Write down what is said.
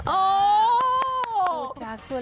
โอ้โห